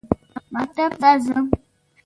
مکتب ته ځم.